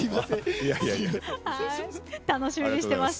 楽しみにしています。